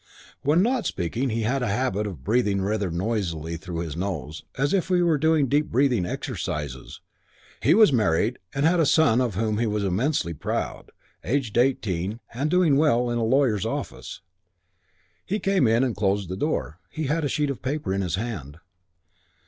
When not speaking he had a habit of breathing rather noisily through his nose as if he were doing deep breathing exercises. He was married and had a son of whom he was immensely proud, aged eighteen and doing well in a lawyer's office. He came in and closed the door. He had a sheet of paper in his hand.